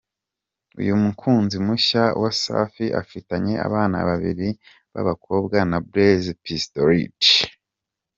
Uyu mukunzi mushya wa Safi afitanye abana babiri b’abakobwa na Blaise Pistoletti.